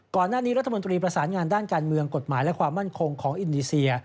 ก่อนหน้านี้รัฐมนตรีประสานงานด้านการเมืองกฎหมายและความมั่นคงของอินโดนีเซีย